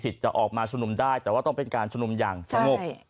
แต่ว่าต้องเป็นการชุมนุมอย่างสงบ